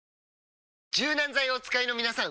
柔軟剤をお使いのみなさん！